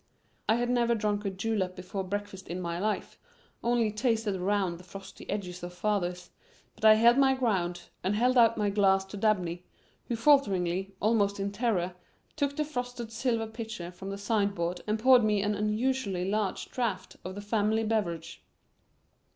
I had never drunk a julep before breakfast in my life, only tasted around the frosty edges of father's, but I held my ground, and held out my glass to Dabney, who falteringly, almost in terror, took the frosted silver pitcher from the sideboard and poured me an unusually large draft of the family beverage.